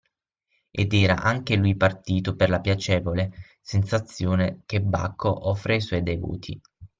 Ed era anche lui partito per la piacevole sensazione che Bacco offre ai suoi devoti.